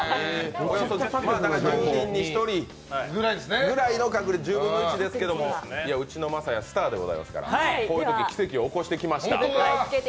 １０分の１ぐらいの確率ですけどうちの晶哉、スターでございますから、こういうとき奇跡を起こしてきました。